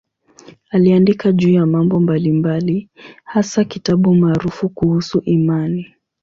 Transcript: Aliandika juu ya mambo mbalimbali, hasa kitabu maarufu kuhusu imani.